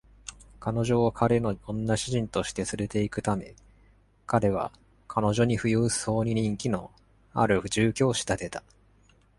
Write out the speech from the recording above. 彼女を彼の女主人として連れて行くため、彼は、彼女に富裕層に人気のある住居を仕立てた。